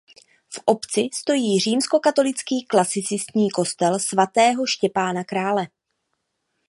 V obci stojí římskokatolický klasicistní kostel svatého Štěpána Krále.